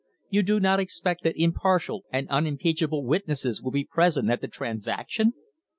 You do not expect that impartial and unimpeachable witnesses will be present at the transaction